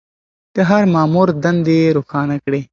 د هر مامور دندې يې روښانه کړې.